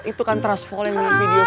itu kan trust fall yang ada di video video